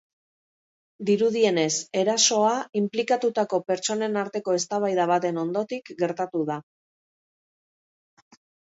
Dirudienez, erasoa inplikatutako pertsonen arteko eztabaida baten ondotik gertatu da.